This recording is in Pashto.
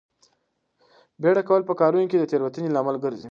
بیړه کول په کارونو کې د تېروتنې لامل ګرځي.